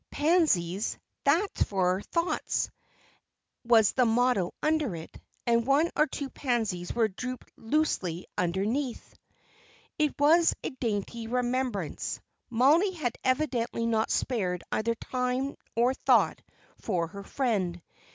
"Pansies, that's for thoughts," was the motto under it; and one or two pansies were drooping loosely underneath. It was a dainty remembrance. Mollie had evidently not spared either time or thought for her friend.